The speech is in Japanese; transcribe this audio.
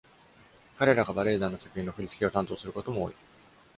彼らが、バレエ団の作品の振り付けを担当することも多い。